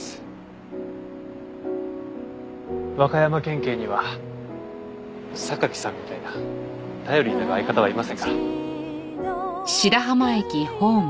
和歌山県警には榊さんみたいな頼りになる相方はいませんから。